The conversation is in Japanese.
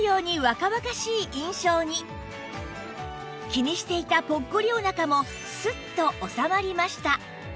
気にしていたぽっこりお腹もスッと収まりました